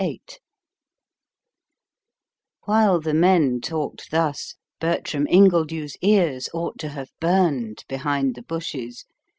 VIII While the men talked thus, Bertram Ingledew's ears ought to have burned behind the bushes.